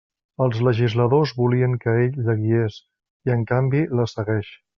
Els legisladors volien que ell la guiés, i, en canvi, la segueix.